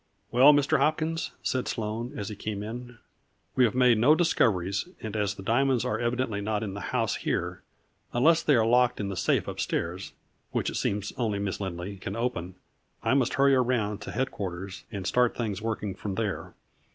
" Well, Mr. Hopkins," said Sloane as he came in, " we have made no discoveries, and as the diamonds are evidently not in the house here, unless they are locked in the safe up stairs, which it seems only Miss Lindley can open, I must hurry around to head quarters and start things working from there.